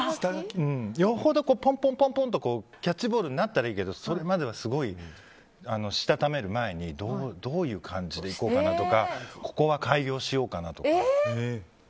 よほどぽんぽんとキャッチボールになればいいけどそれまではすごいしたためる前にどういう感じでいこうかなとかここは改行しようかなとか。